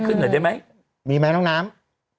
ขึ้นหน่อยเด้ยไม่ไม่แม่ออกน้ำ